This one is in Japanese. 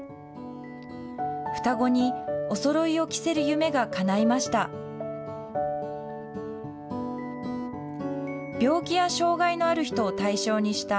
双子におそろいを着せる夢がかないました。